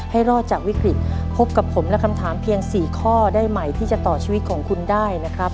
ให้รอดจากวิกฤตพบกับผมและคำถามเพียง๔ข้อได้ใหม่ที่จะต่อชีวิตของคุณได้นะครับ